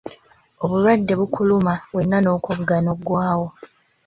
Obulwadde bukuluma wenna n'okogga n'oggwawo.